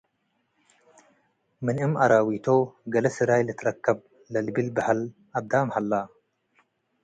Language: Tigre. ምን እም-አራዊቶ ገሌ ስራይ ልትረከ'ብ ለልብል በሀል-አዳም ሀለ'።